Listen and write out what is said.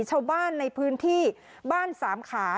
ชาวบ้านในพื้นที่บ้านสามขา